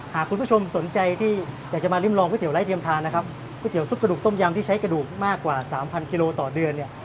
หากคุณผู้ชมสนใจที่อยากจะมาริมลองก๋วไร้เทียมทานนะครับก๋วยเตี๋ซุปกระดูกต้มยำที่ใช้กระดูกมากกว่าสามพันกิโลต่อเดือนเนี่ย